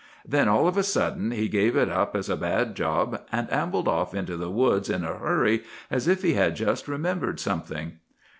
Then all of a sudden he gave it up as a bad job, and ambled off into the woods in a hurry as if he had just remembered something.